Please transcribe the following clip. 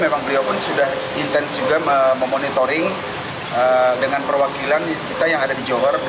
memang beliau pun sudah intens juga memonitoring dengan perwakilan kita yang ada di johor